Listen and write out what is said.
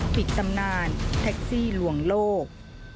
ตำนานแท็กซี่ลวงโลก